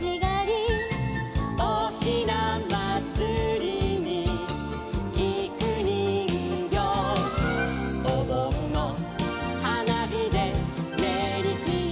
「おひなまつりにきくにんぎょう」「おぼんのはなびでメリークリスマス」